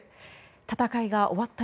戦いが終わった